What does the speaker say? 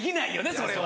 それは。